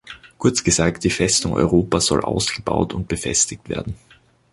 Kurz gesagt, die Festung Europa soll ausgebaut und befestigt werden.